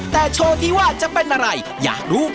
แต่โชว์ที่ว่าจะเป็นอะไรอยากรู้